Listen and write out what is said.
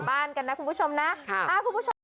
พิสิกยังครับ